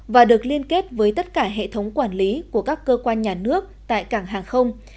và được liên kết với tất cả hệ thống quản lý của các cơ quan nhà nước tại cảng hàng không